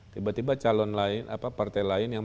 tiba tiba calon lain apa partai lain yang